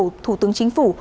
và tổng thủ tướng chính phủ